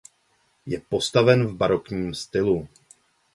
Je postaven v barokním stylu.